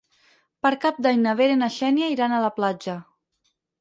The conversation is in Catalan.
Per Cap d'Any na Vera i na Xènia iran a la platja.